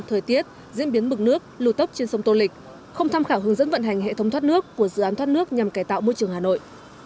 thời tiết diễn biến bực nước lù tốc trên sông tô lịch không tham khảo hướng dẫn vận hành hệ thống thoát nước của dự án thoát nước nhằm cài tạo môi trường hà nội